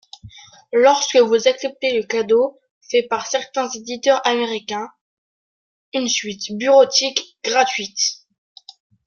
Lorsque vous acceptez le cadeau fait par certains éditeurs américains : une suite bureautique gratuite !